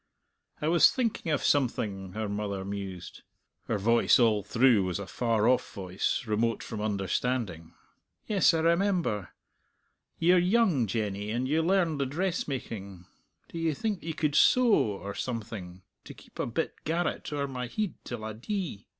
"I was thinking of something," her mother mused. Her voice all through was a far off voice, remote from understanding. "Yes, I remember. Ye're young, Jenny, and you learned the dressmaking; do ye think ye could sew, or something, to keep a bit garret owre my heid till I dee?